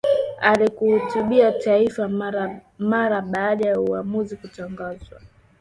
Akilihutubia taifa mara baada ya uamuzi kutangazwa